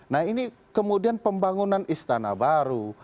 nah ini kemudian pembangunan istana baru